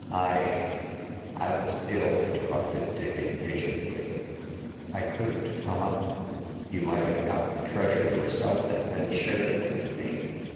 I "" I was ill," interrupted Dick, impatiently. " I couldn't come up. You might have got the treasure yourself and then shared it with me."